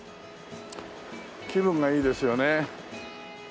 気分がいいですよね。